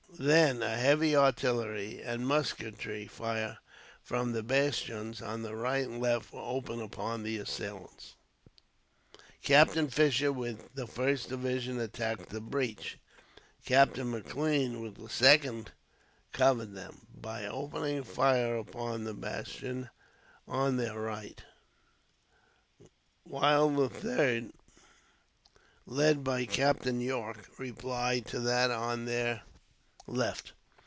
Then a heavy artillery and musketry fire from the bastions on the right and left was opened upon the assailants. Captain Fisher with the first division attacked the breach; Captain Maclean with the second covered them, by opening fire upon the bastion on their right; while the third, led by Captain Yorke, replied to that on their left.